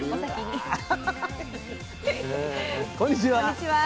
こんにちは。